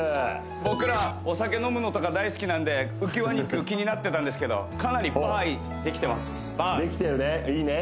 僕らお酒飲むのとか大好きなんで浮き輪肉気になってたんですけどかなりバーイできてますできてるねいいね